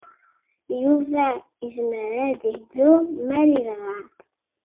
Yuba yezmer ad yeddu ma yebɣa.